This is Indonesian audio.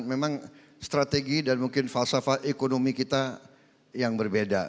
memang strategi dan mungkin falsafat ekonomi kita yang berbeda